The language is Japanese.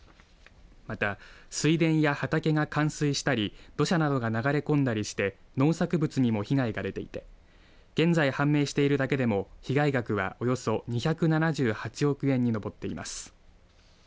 また、水田や畑が冠水したり土砂などが流れ込んだりして農作物にも被害が出ていて現在判明しているだけでも被害額はおよそ２７８億円に上っています。